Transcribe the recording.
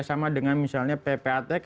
bersama dengan misalnya ppatk